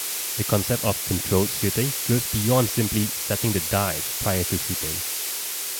The concept of "controlled shooting" goes beyond simply "setting the dice" prior to shooting.